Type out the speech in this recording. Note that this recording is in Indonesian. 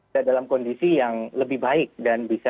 kita dalam kondisi yang lebih baik dan bisa